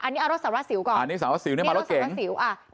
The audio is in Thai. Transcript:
อันนี้อ่ะรถสารวัสสิวก่อนอันนี้สารวัสสิวเนี้ยมารถเก่งนี่อันนี้สารวัสสิวอ่ะ